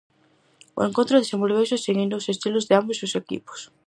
O encontro desenvolveuse seguindo os estilos de ambos os equipos.